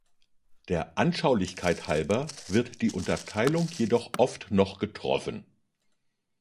Der Anschaulichkeit halber wird die Unterteilung jedoch oft noch getroffen.